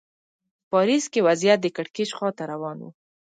په پاریس کې وضعیت د کړکېچ خوا ته روان و.